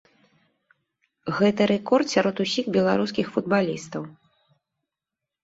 Гэта рэкорд сярод усіх беларускіх футбалістаў.